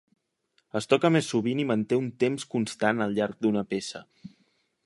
Es toca més sovint i manté un temps constant al llarg d'una peça.